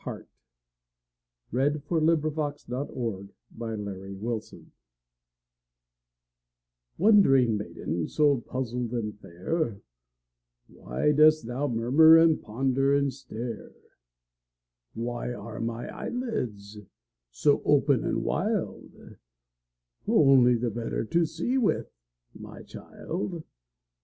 WHAT THE WOLF REALLY SAID TO LITTLE RED RIDING HOOD Wondering maiden, so puzzled and fair, Why dost thou murmur and ponder and stare? "Why are my eyelids so open and wild?" Only the better to see with, my child!